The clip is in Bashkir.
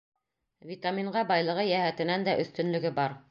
Витаминға байлығы йәһәтенән дә өҫтөнлөгө бар.